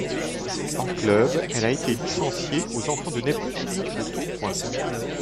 En club, elle a été licenciée aux Enfants de Neptune de Tourcoing.